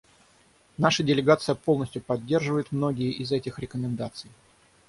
Наша делегация полностью поддерживает многие из этих рекомендаций.